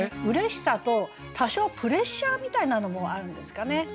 うれしさと多少プレッシャーみたいなのもあるんですかね。